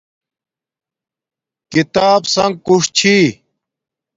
کتاب سن کوݽ چھی